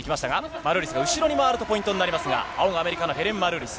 マルーリスが後ろに回るとポイントになりますが、青がアメリカのヘレン・マルーリス。